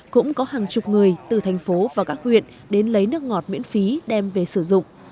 cũng có hàng chục người từ thành phố và các huyện đến lấy nước ngọt miễn phí đem về sử dụng